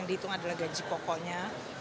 itu adalah gaji pokoknya